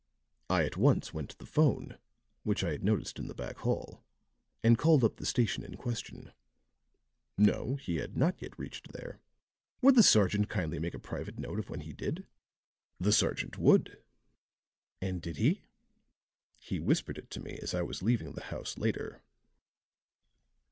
I at once went to the 'phone, which I had noticed in the back hall, and called up the station in question. No; he had not yet reached there. Would the sergeant kindly make a private note of when he did? The sergeant would." "And did he?" "He whispered it to me as I was leaving the house later.